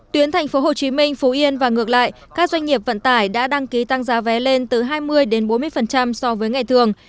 tuyến thành phố hồ chí minh phú yên và ngược lại các doanh nghiệp vận tải đã đăng ký tăng giá vé lên từ hai mươi đến bốn mươi so với ngày thường